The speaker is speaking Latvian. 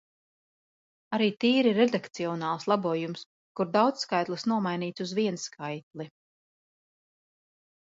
Arī tīri redakcionāls labojums, kur daudzskaitlis nomainīts uz vienskaitli.